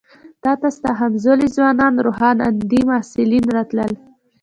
تا ته ستا همزولي ځوانان روښان اندي محصلین راتلل.